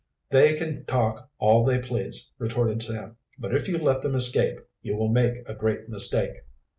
"They can talk all they please," retorted Sam. "But if you let them escape, you will make a great mistake."